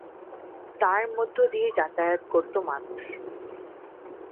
তার মধ্য দিয়ে যাতায়াত করতো মানুষ।